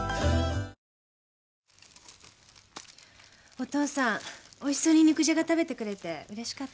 お義父さんおいしそうに肉じゃが食べてくれてうれしかった。